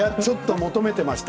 求めていました